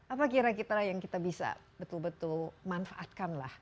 apa kita kira yang bisa betul betul manfaatkan lah